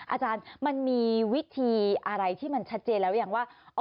อาจารย์มันมีวิธีอะไรที่มันชัดเจนแล้วหรือยังว่า